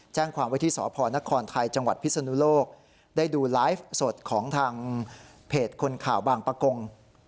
แจ้งความไว้ที่สพนครไทยจังหวัดพิศนุโลกได้ดูไลฟ์สดของทางเพจคนข่าวบางประกง